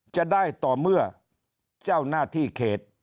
จะได้ต่อเมื่อเจ้าหน้าที่เขต